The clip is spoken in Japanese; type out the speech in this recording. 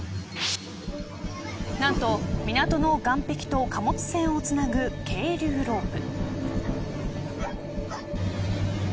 何と、港の岸壁と貨物船をつなぐ係留ロープ。